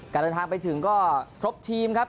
เดินทางไปถึงก็ครบทีมครับ